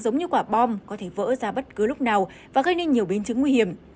giống như quả bom có thể vỡ ra bất cứ lúc nào và gây nên nhiều biến chứng nguy hiểm